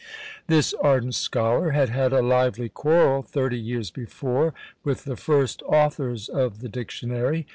This ardent scholar had had a lively quarrel thirty years before with the first authors of the dictionary.